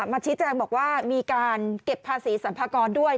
ชี้แจงบอกว่ามีการเก็บภาษีสรรพากรด้วย